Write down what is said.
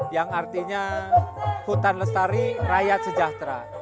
yang artinya hutan lestari rakyat sejahtera